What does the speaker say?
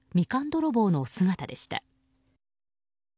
泥棒の姿でした。